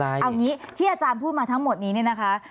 เอางี้ที่อาจารย์พูดมาทั้งหมดนี้เนี่ยนะคะ